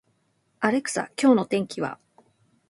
アレクサ、今日の天気は